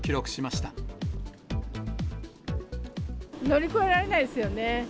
乗り越えられないですよね。